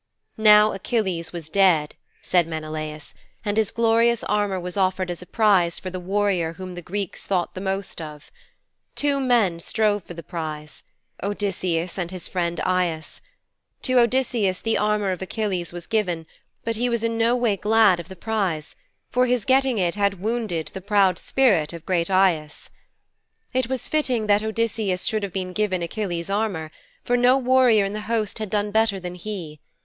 'Now Achilles was dead,' said Menelaus, 'and his glorious armour was offered as a prize for the warrior whom the Greeks thought the most of. Two men strove for the prize Odysseus and his friend Aias. To Odysseus the armour of Achilles was given, but he was in no way glad of the prize, for his getting it had wounded the proud spirit of great Aias.' 'It was fitting that Odysseus should have been given Achilles' armour, for no warrior in the host had done better than he.